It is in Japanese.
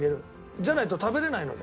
じゃないと食べられないので。